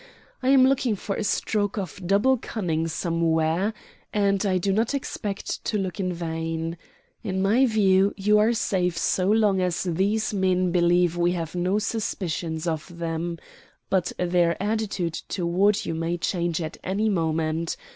I am looking for a stroke of double cunning somewhere, and I do not expect to look in vain. In my view you are safe so long as these men believe we have no suspicion of them; but their attitude toward you may change at any moment.